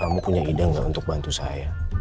kamu punya ide nggak untuk bantu saya